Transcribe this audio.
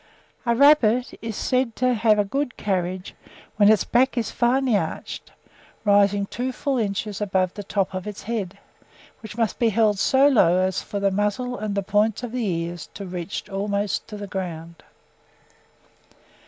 A rabbit is said to have a good carriage when its back is finely arched, rising full two inches above the top of its head, which must be held so low as for the muzzle and the points of the ears to reach almost to the ground."